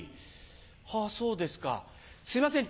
はぁそうですかすいません